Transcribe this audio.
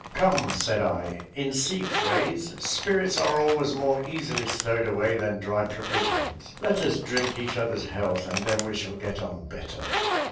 "Come," said I, "in sea phrase, spirits are always more easily stowed away than dry provisions; let us drink each other's health, and then we shall get on better."